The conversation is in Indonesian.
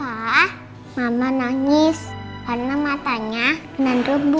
paaah mama nangis karena matanya bener bener bu